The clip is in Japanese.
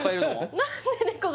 何で猫が？